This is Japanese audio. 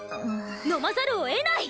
飲まざるを得ない！